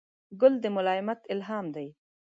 ګل د ملایمت الهام دی.